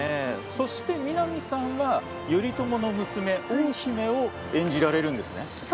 そして、南さんは頼朝の娘大姫を演じられるんですね。